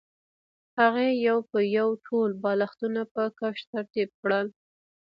هغې یو په یو ټول بالښتونه په کوچ ترتیب کړل